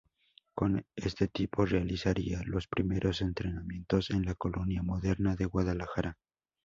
Con este equipo realizaría los primeros entrenamientos en la Colonia Moderna de Guadalajara.